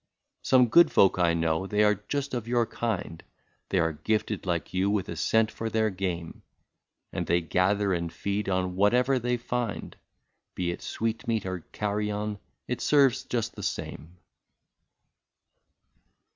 193 "Some good folk I know, — they are just of your kind ; They are gifted like you with a scent for their game; And they gather and feed on whatever they find, — Be it sweetmeat or carrion, — it serves just the same."